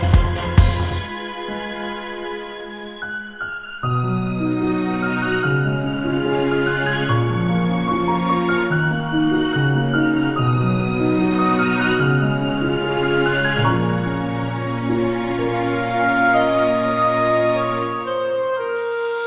tidak cukup robbery ini